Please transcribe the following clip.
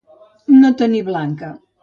No tenir blanca.